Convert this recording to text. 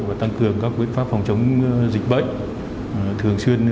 và tăng cường các biện pháp phòng chống dịch